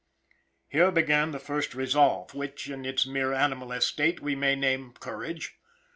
Here began the first resolve, which, in its mere animal estate, we may name courage.